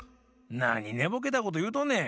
なにねぼけたこというとんねん。